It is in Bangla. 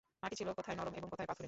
মাটি ছিল কোথাও নরম এবং কোথায় পাথুরে।